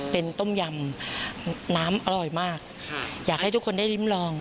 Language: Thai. เป็นต้มยำน้ำอร่อยมากอยากให้ทุกคนได้ริมลอง